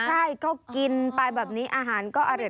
ใช่ก็กินไปแบบนี้อาหารก็อร่อย